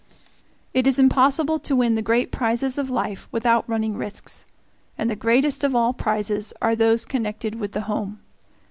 It is impossible to win the great prizes of life without running risks, and the greatest of all prizes are those connected with the home.